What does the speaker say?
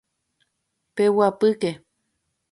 Peguapýke.